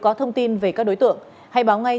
có thông tin về các đối tượng hãy báo ngay